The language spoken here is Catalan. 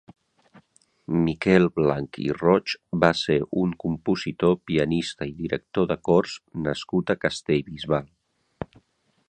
Miquel Blanch i Roig va ser un compositor, pianista i director de cors nascut a Castellbisbal.